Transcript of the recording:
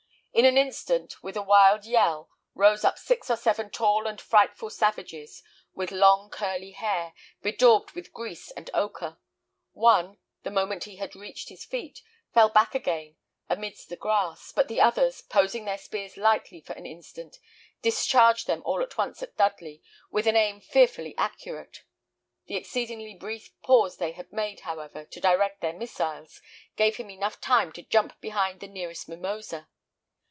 In an instant, with a wild yell, rose up six or seven tall and frightful savages, with long curly hair, bedaubed with grease and ochre. One, the moment he had reached his feet, fell back again amidst the grass; but the others, poising their spears lightly for an instant, discharged them all at once at Dudley with an aim fearfully accurate. The exceedingly brief pause they had made, however, to direct their missiles, gave him time enough to jump behind the nearest mimosa.